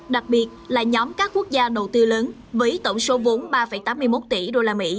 đặc biệt là nhóm các quốc gia đầu tư lớn với tổng số vốn ba tám mươi một tỷ usd